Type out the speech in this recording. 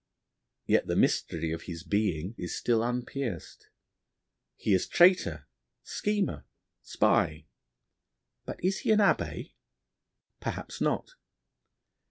Yet the mystery of his being is still unpierced. He is traitor, schemer, spy; but is he an Abbé? Perhaps not.